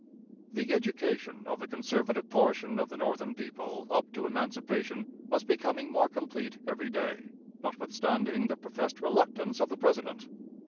The education of the conservative portion of the Northern people up to emancipation was becoming more complete every day, notwithstanding the professed reluctance of the President.